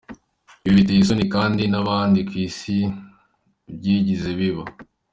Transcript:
Ibi biteye isoni kandi nta n’ahandi ku isi byigeze biba!